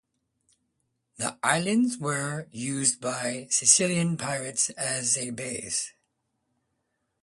The islands were used by Cilician pirates as a base.